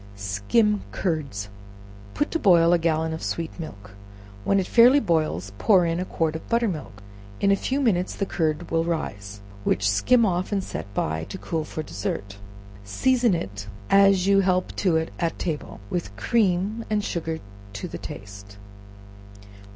Skim Curds. Put to boil a gallon of sweet milk; when it fairly boils, pour in a quart of butter milk; in a few minutes the curd will rise, which skim off and set by, to cool for dessert; season it as you help to it at table, with cream and sugar to the taste.